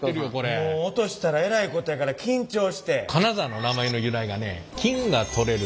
もう落としたらえらいことやから緊張して。